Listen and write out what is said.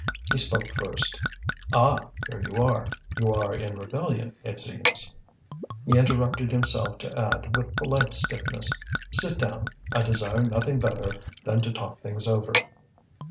He spoke first. "Ah! here you are! You are in rebellion, it seems." He interrupted himself to add with polite stiffness: "Sit down, I desire nothing better than to talk things over."